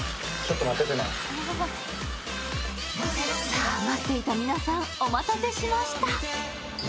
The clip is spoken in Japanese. さあ、待っていた皆さんお待たせしました！